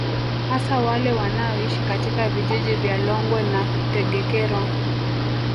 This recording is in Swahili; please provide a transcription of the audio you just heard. Hasa wale wanaoishi katika vijiji vya Longwe na Tegekero